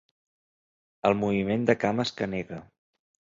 El moviment de cames que nega.